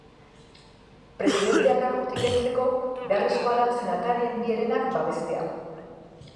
Presidentea kargutik kentzeko, beharrezkoa da senatarien bi herenak babestea.